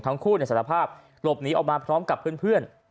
ทั้งคู่เนี่ยสารภาพหลบหนีออกมาพร้อมกับเพื่อนเพื่อน